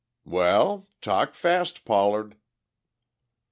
"Well? Talk fast, Pollard."